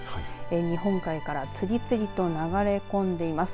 日本海から次々と流れ込んでいます。